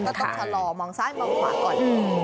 ต้องชะลอมองซ้ายมองขวาก่อน